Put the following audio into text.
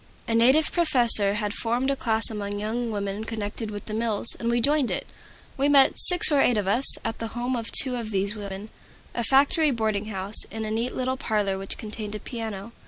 A native professor had formed a class among young women connected with the mills, and we joined it. We met, six or eight of us, at the home of two of these young women, a factory boarding house, in a neat little parlor which contained a piano.